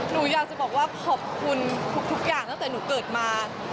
หนูอยากจะบอกว่าขอบคุณทุกอย่างตั้งแต่หนูเกิดมา